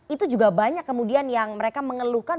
itu juga banyak kemudian yang mereka mengeluhkan